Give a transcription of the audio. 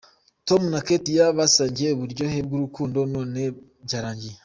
Tom na Katie basangiye uburyohe bw'urukundo none byarangiye.